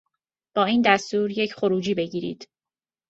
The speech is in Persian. با این دستور یک خروجی بگیرید